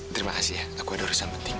terima kasih ya aku ada urusan penting